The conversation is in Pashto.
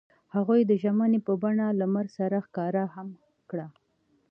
هغوی د ژمنې په بڼه لمر سره ښکاره هم کړه.